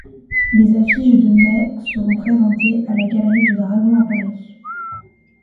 Les affiches de Mai seront présentées à la galerie du Dragon à Paris.